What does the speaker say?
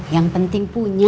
yang penting punya